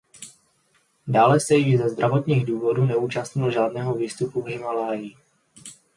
Dále se již ze zdravotních důvodů neúčastnil žádného výstupu v Himálaji.